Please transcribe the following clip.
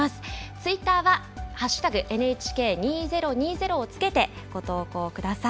ツイッターは「＃ＮＨＫ２０２０」をつけてご投稿ください。